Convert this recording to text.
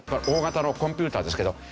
大型のコンピューターですけど。